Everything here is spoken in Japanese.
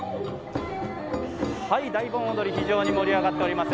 大盆踊り、非常に盛り上がっています。